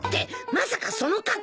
まさかその格好で！？